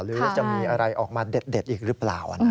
หรือจะมีอะไรออกมาเด็ดอีกหรือเปล่า